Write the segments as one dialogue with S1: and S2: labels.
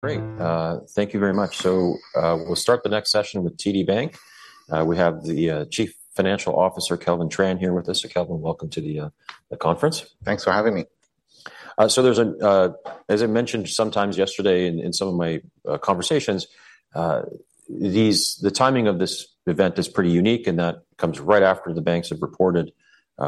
S1: Great. Thank you very much. So, we'll start the next session with TD Bank. We have the Chief Financial Officer Kelvin Tran here with us. So Kelvin, welcome to the conference.
S2: Thanks for having me.
S1: So there's a, as I mentioned sometimes yesterday in, in some of my conversations, the timing of this event is pretty unique, and that comes right after the banks have reported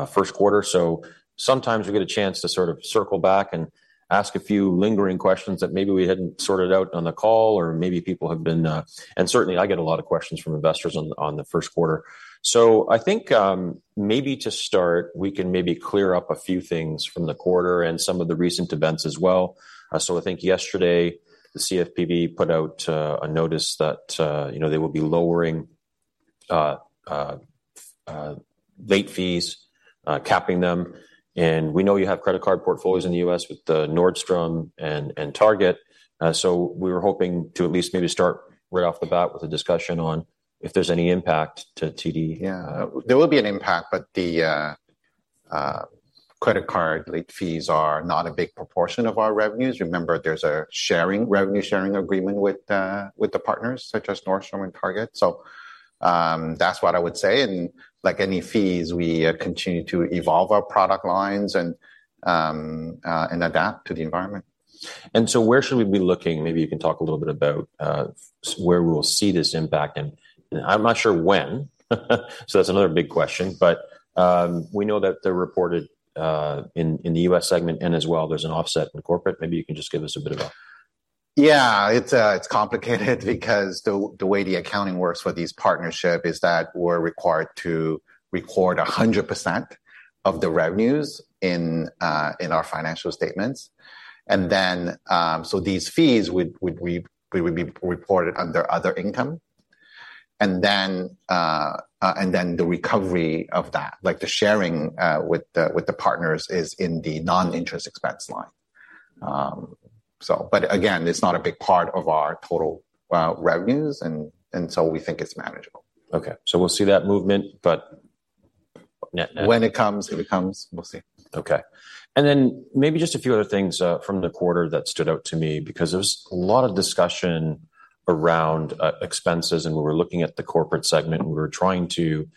S1: first quarter. So sometimes we get a chance to sort of circle back and ask a few lingering questions that maybe we hadn't sorted out on the call, or maybe people have been, and certainly I get a lot of questions from investors on the first quarter. So I think, maybe to start, we can maybe clear up a few things from the quarter and some of the recent events as well. So I think yesterday the CFPB put out a notice that, you know, they will be lowering late fees, capping them. And we know you have credit card portfolios in the U.S. with Nordstrom and Target. So we were hoping to at least maybe start right off the bat with a discussion on if there's any impact to TD.
S2: Yeah. There will be an impact, but the credit card late fees are not a big proportion of our revenues. Remember, there's a revenue sharing agreement with the partners such as Nordstrom and Target. So, that's what I would say. And like any fees, we continue to evolve our product lines and adapt to the environment.
S1: Where should we be looking? Maybe you can talk a little bit about where we'll see this impact. And I'm not sure when. So that's another big question. But we know that they're reported in the U.S. segment, and as well there's an offset in corporate. Maybe you can just give us a bit of a.
S2: Yeah. It's complicated because the way the accounting works with these partnerships is that we're required to record 100% of the revenues in our financial statements. And then, these fees would be reported under other income. And then, the recovery of that, like the sharing, with the partners, is in the non-interest expense line. But again, it's not a big part of our total revenues, and so we think it's manageable.
S1: Okay. So we'll see that movement, but net-net...
S2: When it comes, if it comes, we'll see.
S1: Okay. And then maybe just a few other things, from the quarter that stood out to me because there was a lot of discussion around, expenses. And we were looking at the corporate segment, and we were trying to,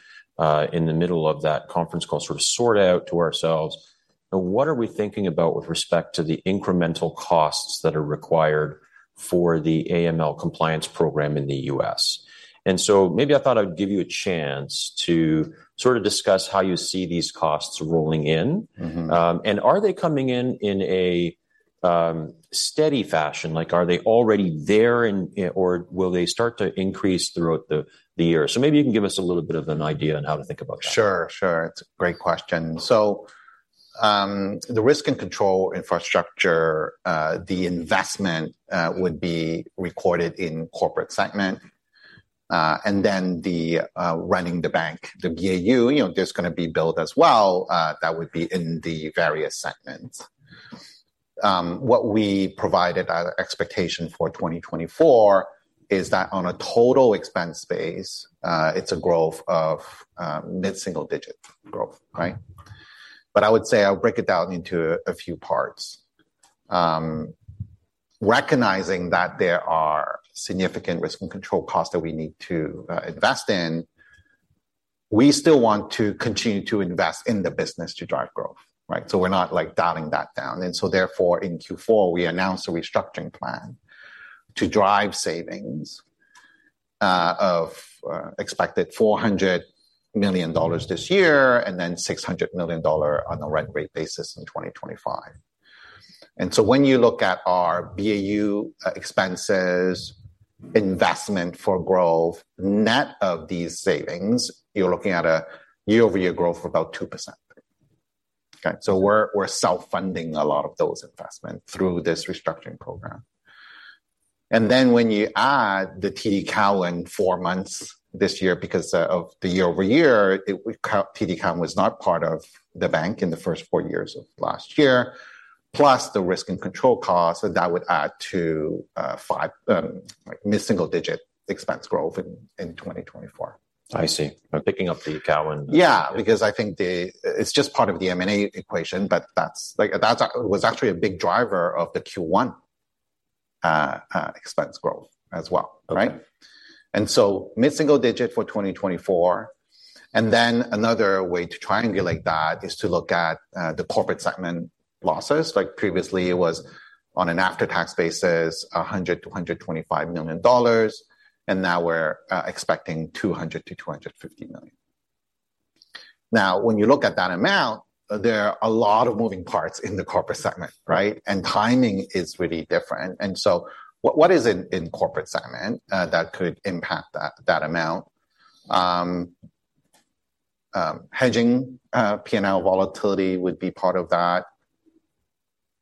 S1: in the middle of that conference call, sort of sort out to ourselves, you know, what are we thinking about with respect to the incremental costs that are required for the AML compliance program in the U.S.? And so maybe I thought I'd give you a chance to sort of discuss how you see these costs rolling in.
S2: Mm-hmm.
S1: Are they coming in a steady fashion? Like, are they already there in Q1 or will they start to increase throughout the year? So maybe you can give us a little bit of an idea on how to think about that.
S2: Sure. Sure. It's a great question. So, the risk and control infrastructure, the investment, would be recorded in Corporate segment. And then the, running the bank, the BAU, you know, there's gonna be billed as well. That would be in the various segments. What we provided our expectation for 2024 is that on a total expense base, it's a growth of, mid-single-digit growth, right? But I would say I'll break it down into a few parts. Recognizing that there are significant risk and control costs that we need to, invest in, we still want to continue to invest in the business to drive growth, right? So we're not, like, dialing that down. And so therefore, in Q4, we announced a restructuring plan to drive savings, of, expected 400 million dollars this year and then 600 million dollar on a run-rate basis in 2025. When you look at our BAU expenses, investment for growth net of these savings, you're looking at a year-over-year growth of about 2%. Okay. So we're self-funding a lot of those investments through this restructuring program. And then when you add the TD Cowen four months this year because of the year-over-year, it, we call TD Cowen was not part of the bank in the first four months of last year, plus the risk and control costs, so that would add to [5, like], mid-single digit expense growth in 2024.
S1: I see. I'm picking up the Cowen.
S2: Yeah. Because I think it's just part of the M&A equation, but that's, like, that it was actually a big driver of the Q1 expense growth as well, right?
S1: Okay.
S2: Mid-single digit for 2024. Another way to triangulate that is to look at the corporate segment losses. Like, previously it was on an after-tax basis, 100 million-125 million dollars. Now we're expecting 200 million-250 million. Now, when you look at that amount, there are a lot of moving parts in the corporate segment, right? Timing is really different. What is in the corporate segment that could impact that amount? Hedging, P&L volatility would be part of that.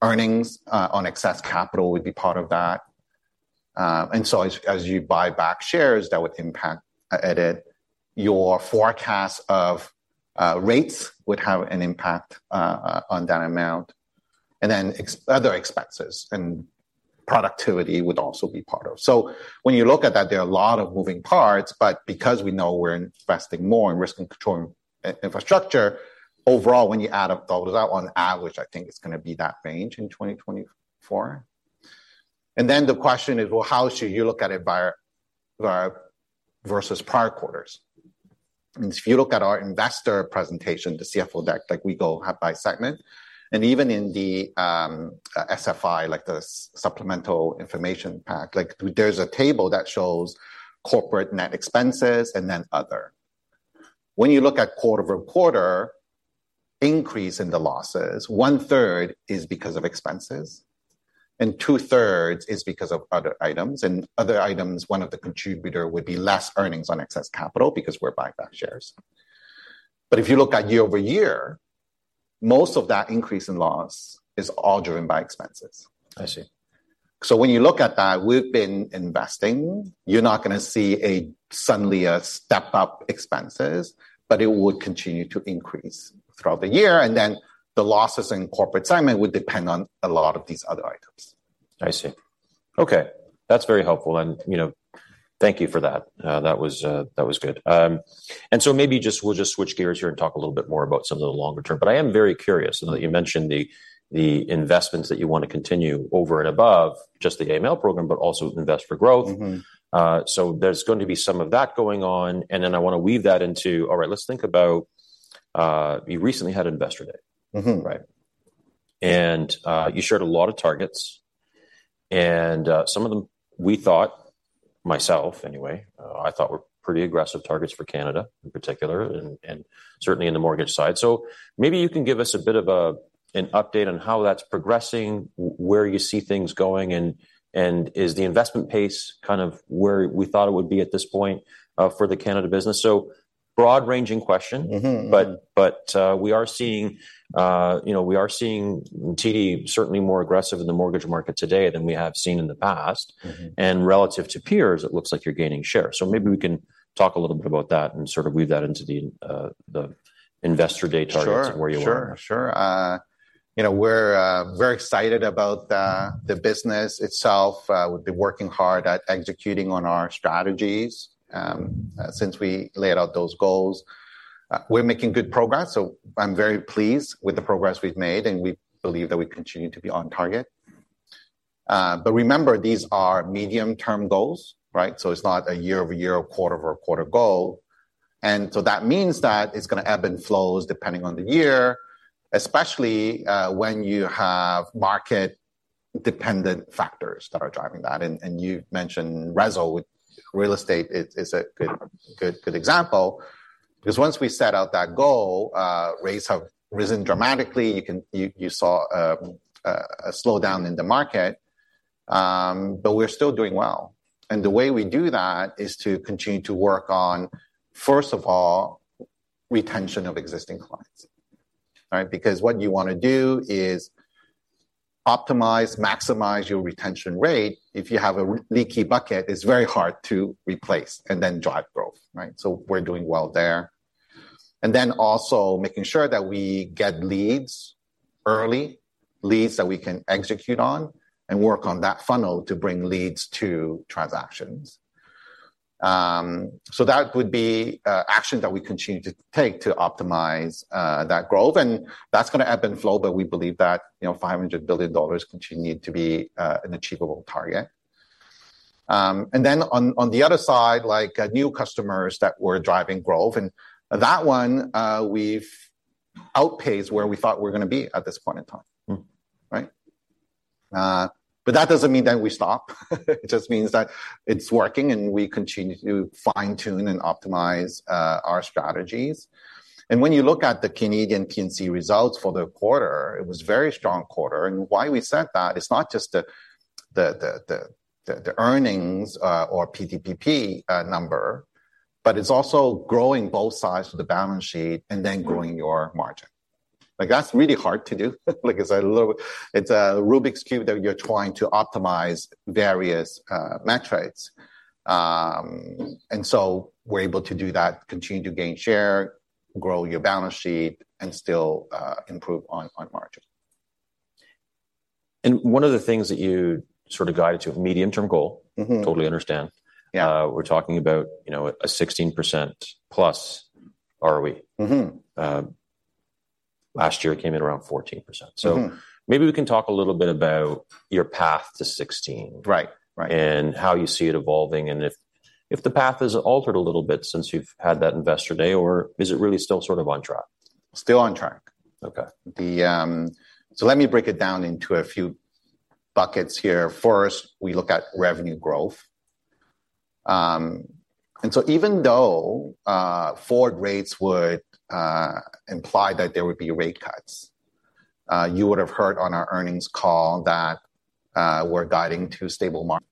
S2: Earnings on excess capital would be part of that. As you buy back shares, that would impact it. Your forecast of rates would have an impact on that amount. Ex other expenses and productivity would also be part of. So when you look at that, there are a lot of moving parts. But because we know we're investing more in risk and control in, in infrastructure, overall, when you add all those out, on average, I think it's gonna be that range in 2024. And then the question is, well, how should you look at it via, via versus prior quarters? And if you look at our investor presentation, the CFO deck, like, we go have by segment. And even in the, SFI, like the supplemental financial information pack, like, there's a table that shows corporate net expenses and then other. When you look at quarter-over-quarter increase in the losses, one-third is because of expenses, and two-thirds is because of other items. And other items, one of the contributor would be less earnings on excess capital because we're buying back shares. But if you look at year-over-year, most of that increase in loss is all driven by expenses.
S1: I see.
S2: When you look at that, we've been investing. You're not gonna see a sudden step-up expenses, but it would continue to increase throughout the year. Then the losses in corporate segment would depend on a lot of these other items.
S1: I see. Okay. That's very helpful. And, you know, thank you for that. That was, that was good. And so maybe just we'll just switch gears here and talk a little bit more about some of the longer term. But I am very curious. I know that you mentioned the, the investments that you wanna continue over and above just the AML program, but also invest for growth.
S2: Mm-hmm.
S1: There's going to be some of that going on. Then I wanna weave that into, all right, let's think about, you recently had Investor Day.
S2: Mm-hmm.
S1: Right? You shared a lot of targets. Some of them we thought, myself anyway, I thought were pretty aggressive targets for Canada in particular, and certainly in the mortgage side. So maybe you can give us a bit of an update on how that's progressing, where you see things going, and is the investment pace kind of where we thought it would be at this point, for the Canada business? So broad-ranging question.
S2: Mm-hmm.
S1: But, we are seeing, you know, we are seeing TD certainly more aggressive in the mortgage market today than we have seen in the past.
S2: Mm-hmm.
S1: Relative to peers, it looks like you're gaining share. So maybe we can talk a little bit about that and sort of weave that into the Investor Day targets and where you are.
S2: Sure. You know, we're very excited about the business itself. We're working hard at executing on our strategies since we laid out those goals. We're making good progress. So I'm very pleased with the progress we've made, and we believe that we continue to be on target. But remember, these are medium-term goals, right? So it's not a year-over-year or quarter-over-quarter goal. And so that means that it's gonna ebb and flows depending on the year, especially when you have market-dependent factors that are driving that. And you mentioned Riaz Ahmed with real estate is a good example because once we set out that goal, rates have risen dramatically. You saw a slowdown in the market. But we're still doing well. And the way we do that is to continue to work on, first of all, retention of existing clients, right? Because what you wanna do is optimize, maximize your retention rate. If you have a leaky bucket, it's very hard to replace and then drive growth, right? So we're doing well there. And then also making sure that we get leads early, leads that we can execute on, and work on that funnel to bring leads to transactions. So that would be actions that we continue to take to optimize that growth. And that's gonna ebb and flow, but we believe that, you know, 500 billion dollars continues to be an achievable target. And then on, on the other side, like, new customers that we're driving growth. And that one, we've outpaced where we thought we were gonna be at this point in time. Right? But that doesn't mean that we stop. It just means that it's working, and we continue to fine-tune and optimize our strategies. And when you look at the Canadian P&C results for the quarter, it was a very strong quarter. And why we said that is not just the earnings, or PTPP, number, but it's also growing both sides of the balance sheet and then growing your margin. Like, that's really hard to do. Like, it's a little Rubik's Cube that you're trying to optimize various metrics. And so we're able to do that, continue to gain share, grow your balance sheet, and still improve on margin.
S1: And one of the things that you sort of guided to, medium-term goal.
S2: Mm-hmm.
S1: Totally understand.
S2: Yeah.
S1: We're talking about, you know, a 16%-plus ROE.
S2: Mm-hmm.
S1: Last year it came in around 14%.
S2: Mm-hmm.
S1: Maybe we can talk a little bit about your path to 16.
S2: Right. Right.
S1: And how you see it evolving, and if the path has altered a little bit since you've had that Investor Day, or is it really still sort of on track?
S2: Still on track.
S1: Okay.
S2: So let me break it down into a few buckets here. First, we look at revenue growth. And so even though forward rates would imply that there would be rate cuts, you would have heard on our earnings call that we're guiding to stable margins.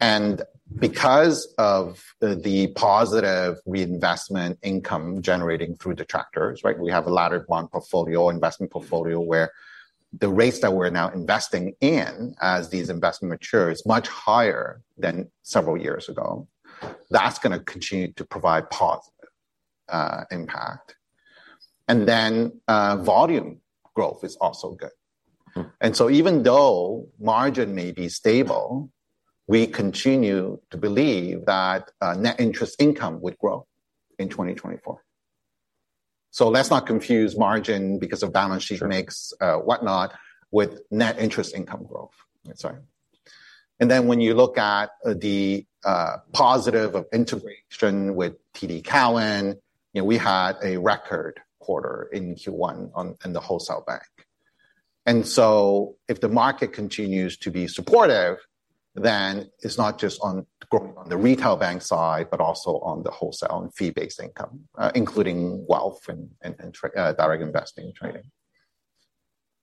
S2: And because of the positive reinvestment income generating through maturities, right, we have a laddered bond portfolio, investment portfolio, where the rates that we're now investing in as these investments mature is much higher than several years ago. That's gonna continue to provide positive impact. And then volume growth is also good. And so even though margin may be stable, we continue to believe that net interest income would grow in 2024. So let's not confuse margin because of balance sheet mix.
S1: Right.
S2: Whatnot with net interest income growth. Sorry. And then when you look at the positive of integration with TD Cowen, you know, we had a record quarter in Q1 on in the wholesale bank. And so if the market continues to be supportive, then it's not just on growing on the retail bank side, but also on the wholesale and fee-based income, including wealth and TD Direct Investing trading.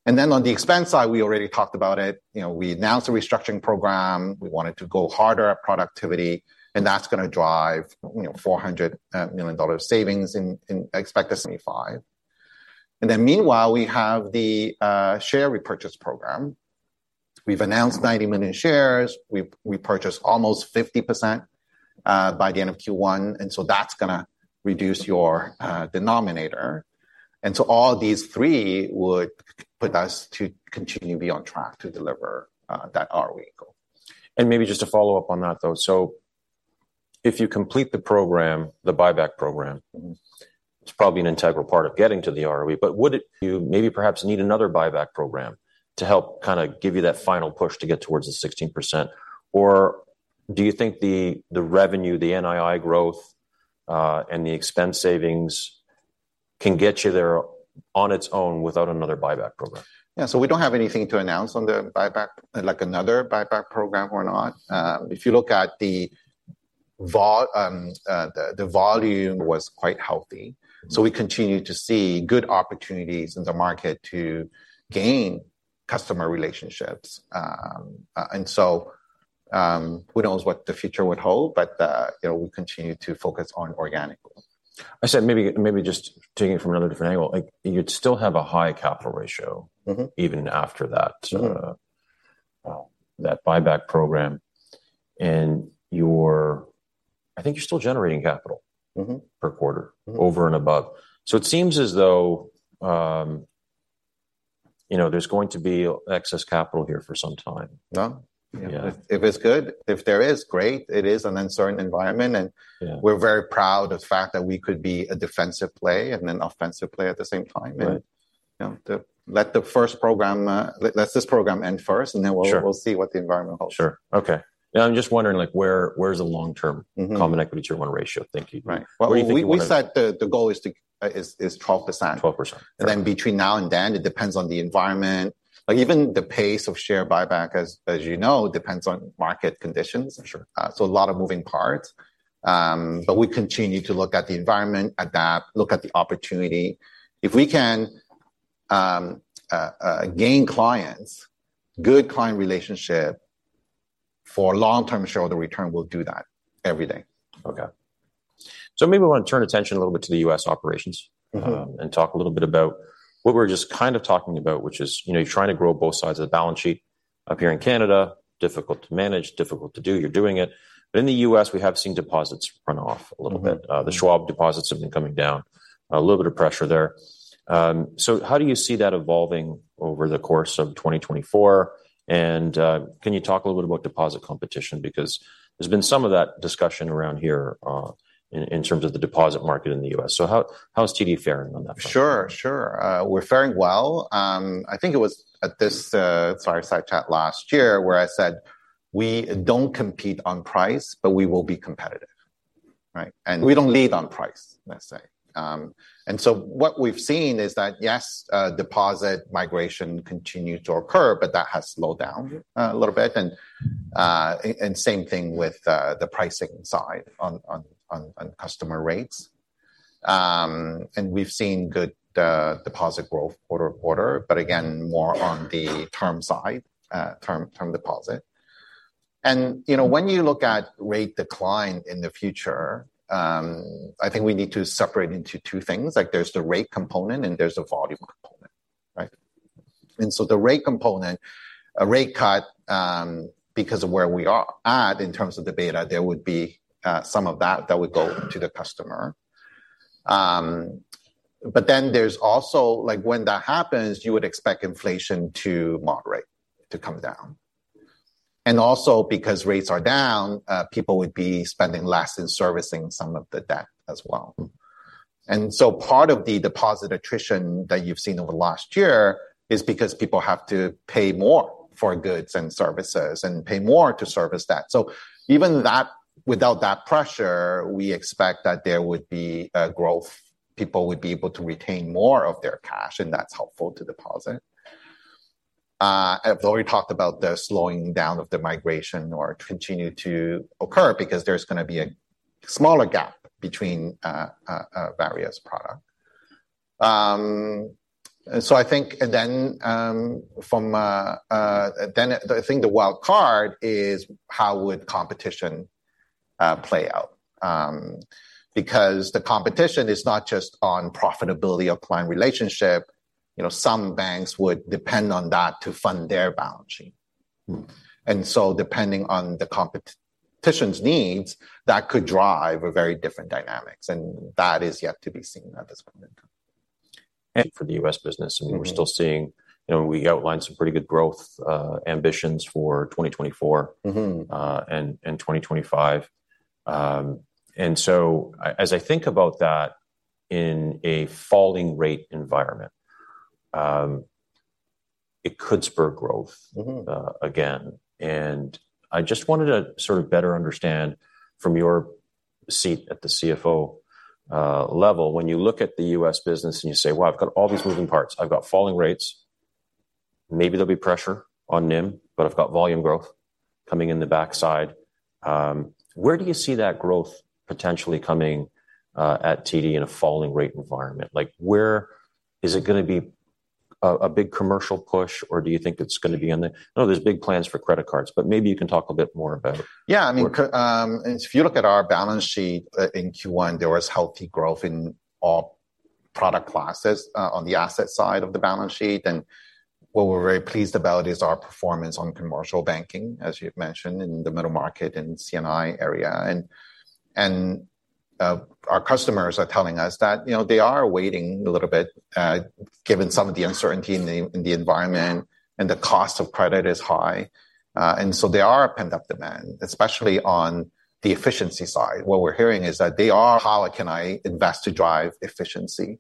S2: And then on the expense side, we already talked about it. You know, we announced a restructuring program. We wanted to go harder at productivity. And that's gonna drive, you know, $400 million savings in expected 2025. And then meanwhile, we have the share repurchase program. We've announced 90 million shares. We've repurchased almost 50% by the end of Q1. And so that's gonna reduce your denominator. All these three would put us to continue to be on track to deliver that ROE goal.
S1: Maybe just to follow up on that, though, so if you complete the program, the buyback program.
S2: Mm-hmm.
S1: It's probably an integral part of getting to the ROE. But would it. You maybe perhaps need another buyback program to help kinda give you that final push to get towards the 16%? Or do you think the, the revenue, the NII growth, and the expense savings can get you there on its own without another buyback program?
S2: Yeah. So we don't have anything to announce on the buyback, like, another buyback program or not. If you look at the volume, it was quite healthy.
S1: Mm-hmm.
S2: So we continue to see good opportunities in the market to gain customer relationships. And so, who knows what the future would hold? But, you know, we continue to focus on organic growth.
S1: I said maybe, maybe just taking it from another different angle, like, you'd still have a high capital ratio.
S2: Mm-hmm.
S1: Even after that.
S2: Mm-hmm.
S1: that buyback program. And I think you're still generating capital.
S2: Mm-hmm.
S1: Per quarter.
S2: Mm-hmm.
S1: Over and above. So it seems as though, you know, there's going to be excess capital here for some time.
S2: Yeah.
S1: Yeah.
S2: If it's good, great. It is an uncertain environment.
S1: Yeah.
S2: We're very proud of the fact that we could be a defensive play and an offensive play at the same time. And.
S1: Right.
S2: You know, let the first program end first, and then we'll.
S1: Sure.
S2: We'll see what the environment holds.
S1: Sure. Okay. Yeah. I'm just wondering, like, where, where's the long-term?
S2: Mm-hmm.
S1: Common Equity Tier 1 ratio? Thank you.
S2: Right.
S1: What, what do you think you wanna?
S2: We said the goal is 12%.
S1: 12%.
S2: And then between now and then, it depends on the environment. Like, even the pace of share buyback, as, as you know, depends on market conditions.
S1: Sure.
S2: So a lot of moving parts. But we continue to look at the environment, adapt, look at the opportunity. If we can, gain clients, good client relationship for long-term shareholder return, we'll do that every day.
S1: Okay. So maybe we wanna turn attention a little bit to the U.S. operations.
S2: Mm-hmm.
S1: and talk a little bit about what we were just kind of talking about, which is, you know, you're trying to grow both sides of the balance sheet up here in Canada, difficult to manage, difficult to do. You're doing it. But in the U.S., we have seen deposits run off a little bit.
S2: Mm-hmm.
S1: The Schwab deposits have been coming down, a little bit of pressure there. So how do you see that evolving over the course of 2024? And, can you talk a little bit about deposit competition? Because there's been some of that discussion around here, in terms of the deposit market in the U.S. So how is TD faring on that front?
S2: Sure. Sure. We're faring well. I think it was at this, sorry, side chat last year where I said, "We don't compete on price, but we will be competitive," right? And.
S1: We don't lead on price, let's say.
S2: So, what we've seen is that, yes, deposit migration continued to occur, but that has slowed down.
S1: Mm-hmm.
S2: A little bit. And the same thing with the pricing side on customer rates. And we've seen good deposit growth quarter-over-quarter, but again, more on the term side, term deposit. And, you know, when you look at rate decline in the future, I think we need to separate into two things. Like, there's the rate component, and there's the volume component, right? And so the rate component, a rate cut, because of where we are at in terms of the beta, there would be some of that that would go to the customer. But then there's also, like, when that happens, you would expect inflation to moderate, to come down. And also because rates are down, people would be spending less in servicing some of the debt as well. And so part of the deposit attrition that you've seen over the last year is because people have to pay more for goods and services and pay more to service that. So even without that pressure, we expect that there would be growth. People would be able to retain more of their cash, and that's helpful to deposit. I've already talked about the slowing down of the migration or continue to occur because there's gonna be a smaller gap between various products. And so I think, and then I think the wild card is how competition would play out because the competition is not just on profitability of client relationship. You know, some banks would depend on that to fund their balance sheet. And so depending on the competition's needs, that could drive a very different dynamics. That is yet to be seen at this point in time.
S1: For the U.S. business.
S2: Mm-hmm.
S1: I mean, we're still seeing you know, we outlined some pretty good growth, ambitions for 2024.
S2: Mm-hmm.
S1: 2025. And so as I think about that in a falling-rate environment, it could spur growth.
S2: Mm-hmm.
S1: Again, I just wanted to sort of better understand from your seat at the CFO level, when you look at the U.S. business and you say, "Wow, I've got all these moving parts. I've got falling rates. Maybe there'll be pressure on NIM, but I've got volume growth coming in the backside." Where do you see that growth potentially coming at TD in a falling-rate environment? Like, where is it gonna be, a big commercial push, or do you think it's gonna be on the no, there's big plans for credit cards, but maybe you can talk a bit more about.
S2: Yeah. I mean, see if you look at our balance sheet, in Q1, there was healthy growth in all product classes, on the asset side of the balance sheet. And what we're very pleased about is our performance on commercial banking, as you've mentioned, in the middle market and C&I area. And our customers are telling us that, you know, they are waiting a little bit, given some of the uncertainty in the environment, and the cost of credit is high. And so there are pent-up demands, especially on the efficiency side. What we're hearing is that they are. How can I invest to drive efficiency?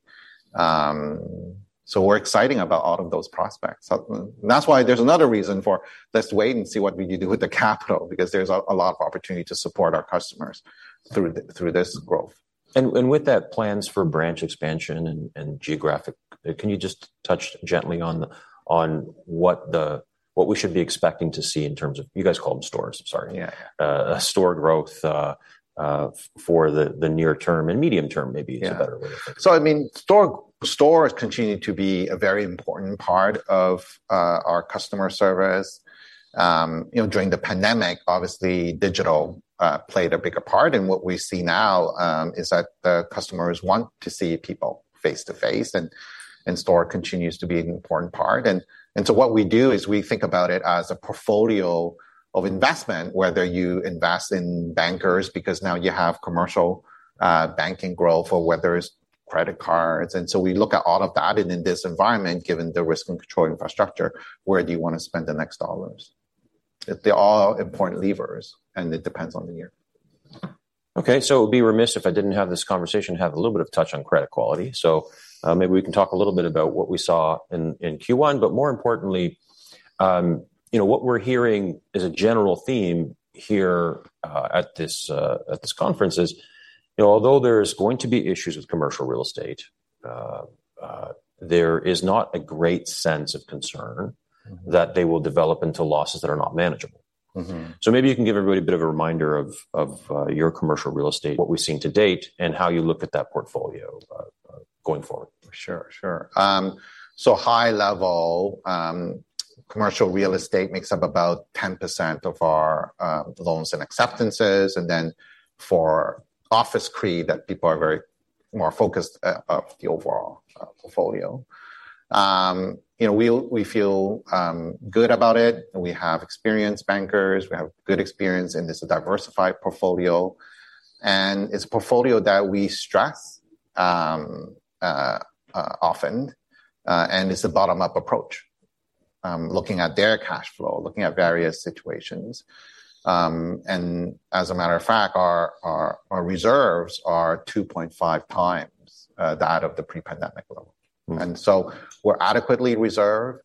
S2: So we're excited about all of those prospects. And that's why there's another reason for let's wait and see what we do with the capital because there's a lot of opportunity to support our customers through this growth.
S1: And with that, plans for branch expansion and geographic. Can you just touch gently on what we should be expecting to see in terms of you guys call them stores? I'm sorry.
S2: Yeah. Yeah.
S1: store growth for the near term. And medium term, maybe.
S2: Yeah.
S1: Is a better way to put it.
S2: So, I mean, our stores continue to be a very important part of our customer service. You know, during the pandemic, obviously, digital played a bigger part. And what we see now is that the customers want to see people face to face. And store continues to be an important part. And so what we do is we think about it as a portfolio of investment, whether you invest in bankers because now you have commercial banking growth or whether it's credit cards. And so we look at all of that. And in this environment, given the risk-control infrastructure, where do you wanna spend the next dollars? They're all important levers, and it depends on the year.
S1: Okay. So it would be remiss if I didn't have this conversation have a little bit of touch on credit quality. So, maybe we can talk a little bit about what we saw in Q1. But more importantly, you know, what we're hearing as a general theme here at this conference is, you know, although there's going to be issues with commercial real estate, there is not a great sense of concern.
S2: Mm-hmm.
S1: That they will develop into losses that are not manageable.
S2: Mm-hmm.
S1: Maybe you can give everybody a bit of a reminder of your commercial real estate, what we've seen to date, and how you look at that portfolio, going forward.
S2: Sure. So high-level, commercial real estate makes up about 10% of our loans and acceptances. And then for office CRE, that people are very more focused on the overall portfolio. You know, we feel good about it. We have experienced bankers. We have good experience, and it's a diversified portfolio. And it's a portfolio that we stress often. And it's a bottom-up approach, looking at their cash flow, looking at various situations. And as a matter of fact, our reserves are 2.5 times that of the pre-pandemic level. And so we're adequately reserved,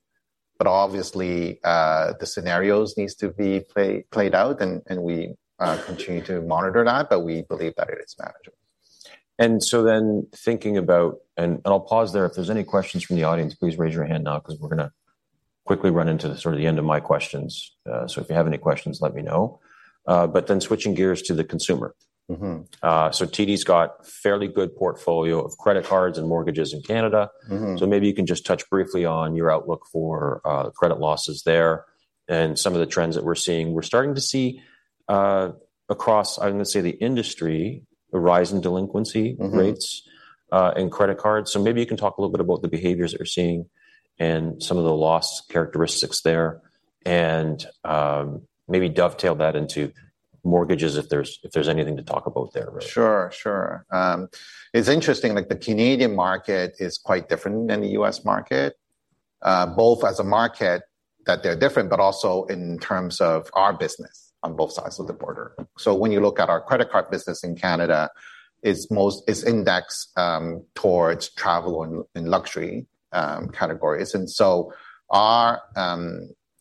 S2: but obviously, the scenarios need to be played out. And we continue to monitor that, but we believe that it is manageable.
S1: And so then thinking about, and I'll pause there. If there's any questions from the audience, please raise your hand now 'cause we're gonna quickly run into sort of the end of my questions. So if you have any questions, let me know. But then switching gears to the consumer.
S2: Mm-hmm.
S1: TD's got a fairly good portfolio of credit cards and mortgages in Canada.
S2: Mm-hmm.
S1: Maybe you can just touch briefly on your outlook for credit losses there and some of the trends that we're seeing. We're starting to see, across, I wanna say, the industry, a rise in delinquency.
S2: Mm-hmm.
S1: Rates in credit cards. So maybe you can talk a little bit about the behaviors that we're seeing and some of the loss characteristics there and, maybe dovetail that into mortgages if there's if there's anything to talk about there, really.
S2: Sure. Sure. It's interesting. Like, the Canadian market is quite different than the U.S. market, both as a market that they're different but also in terms of our business on both sides of the border. So when you look at our credit card business in Canada, it's mostly indexed towards travel and luxury categories. And so our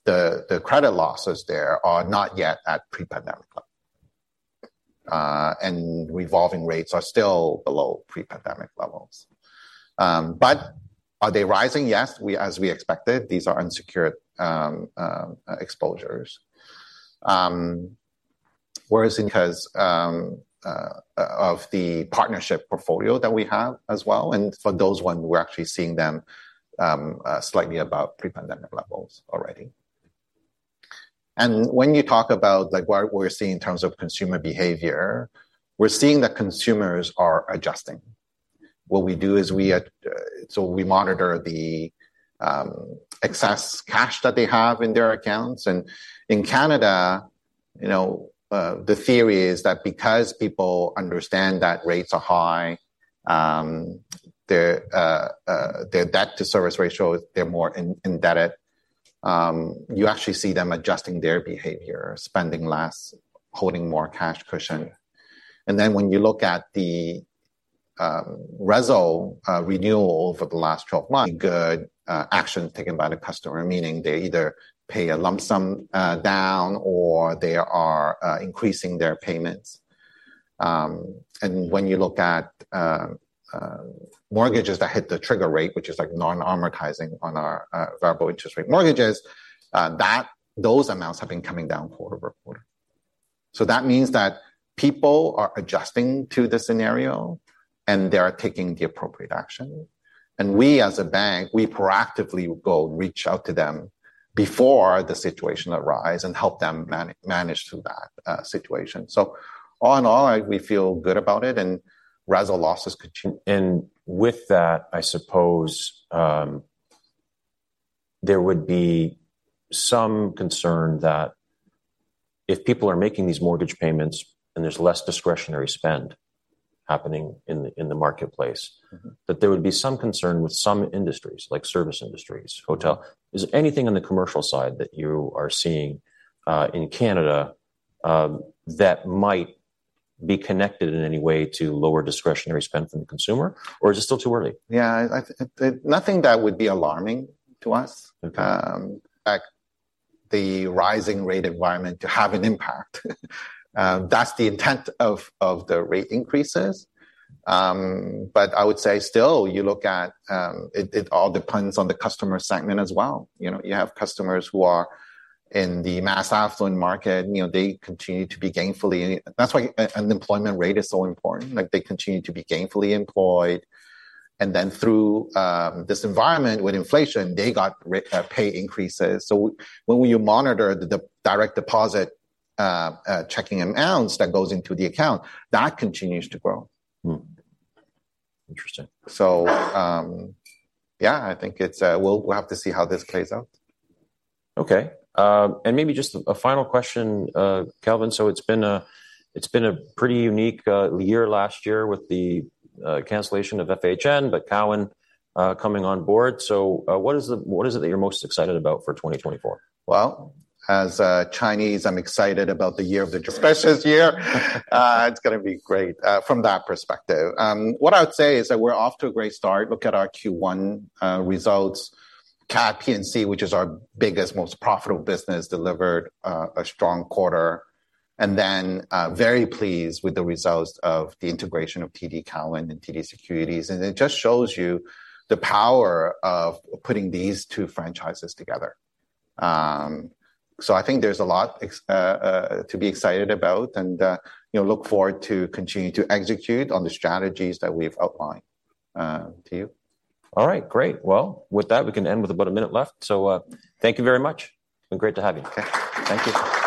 S2: the credit losses there are not yet at pre-pandemic level, and revolving rates are still below pre-pandemic levels. But are they rising? Yes. As we expected, these are unsecured exposures, whereas 'cause of the partnership portfolio that we have as well. And for those ones, we're actually seeing them slightly above pre-pandemic levels already. And when you talk about, like, what we're seeing in terms of consumer behavior, we're seeing that consumers are adjusting. What we do is, so we monitor the excess cash that they have in their accounts. And in Canada, you know, the theory is that because people understand that rates are high, their debt-to-service ratio, they're more indebted, you actually see them adjusting their behavior, spending less, holding more cash cushion. And then when you look at the RESL renewal over the last 12 months. Good actions taken by the customer, meaning they either pay a lump sum down or they are increasing their payments. And when you look at mortgages that hit the trigger rate, which is, like, non-amortizing on our variable interest rate mortgages, those amounts have been coming down quarter-over-quarter. So that means that people are adjusting to the scenario, and they are taking the appropriate action. And we as a bank, we proactively go reach out to them before the situation arises and help them manage through that situation. So all in all, I, we feel good about it. And RESL losses continue.
S1: With that, I suppose, there would be some concern that if people are making these mortgage payments and there's less discretionary spend happening in the in the marketplace.
S2: Mm-hmm.
S1: That there would be some concern with some industries, like service industries, hotel. Is there anything on the commercial side that you are seeing, in Canada, that might be connected in any way to lower discretionary spend from the consumer? Or is it still too early?
S2: Yeah. I think nothing that would be alarming to us.
S1: Okay.
S2: In the rising-rate environment to have an impact. That's the intent of the rate increases. But I would say still, you look at it all depends on the customer segment as well. You know, you have customers who are in the mass affluent market. You know, they continue to be gainfully and that's why an employment rate is so important. Like, they continue to be gainfully employed. And then through this environment with inflation, they got real pay increases. So when we monitor the direct deposit chequing amounts that goes into the account, that continues to grow.
S1: Interesting.
S2: So, yeah. I think it's, we'll, we'll have to see how this plays out.
S1: Okay. Maybe just a final question, Kelvin. So it's been a pretty unique year last year with the cancellation of FHN but Cowen coming on board. So, what is it that you're most excited about for 2024?
S2: Well, as a Chinese, I'm excited about the Year of the Dragon. Special year. It's gonna be great, from that perspective. What I would say is that we're off to a great start. Look at our Q1 results. Canadian Personal and Commercial Banking, which is our biggest, most profitable business, delivered a strong quarter. And then very pleased with the results of the integration of TD Cowen and TD Securities. And it just shows you the power of putting these two franchises together. So I think there's a lot to be excited about and, you know, look forward to continue to execute on the strategies that we've outlined to you.
S1: All right. Great. Well, with that, we can end with about a minute left. So, thank you very much. It's been great to have you.
S2: Okay.
S1: Thank you.